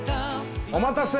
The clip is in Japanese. お待たせ！